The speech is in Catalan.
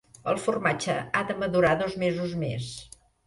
El formatge ha de madurar dos mesos més.